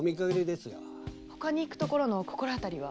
ほかに行く所の心当たりは？